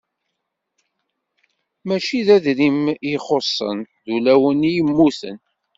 Mačči d adrim i ixuṣṣen, d ulawen i yemmuten.